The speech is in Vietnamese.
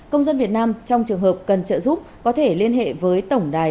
công dân việt nam trong trường hợp cần trợ giúp có thể liên hệ với tổng đài